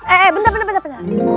eh eh bentar bentar bentar